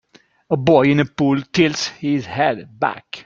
A boy in a pool tilts his head back.